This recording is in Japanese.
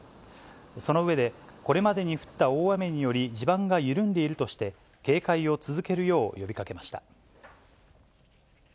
そのうえで、これまでに降った大雨により地盤が緩んでいるとして、警戒を続けるよう呼びかけました。